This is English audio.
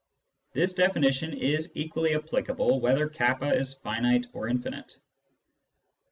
This definition is equally applicable whether k is finite or infinite.